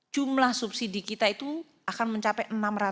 jumlah subsidi kita itu akan mencapai